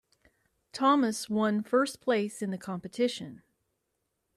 Thomas one first place in the competition.